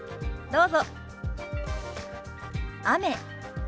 どうぞ。